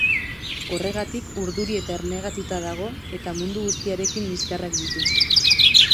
Horregatik urduri eta ernegatuta dago eta mundu guztiarekin liskarrak ditu.